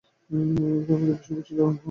যার মধ্যে বেশিরভাগ ছিল নজরুল গীতি।